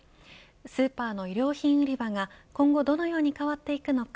スーパーの衣料品売り場が今後どのように変わっていくのか。